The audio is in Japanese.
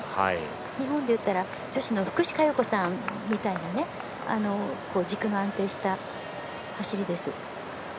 日本でいったら女子の福士加代子さんみたいな軸の安定した走りです。